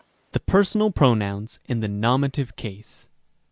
The personal pronouns, in the nominative case.